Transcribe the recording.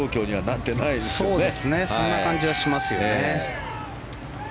そんな感じはしますよね。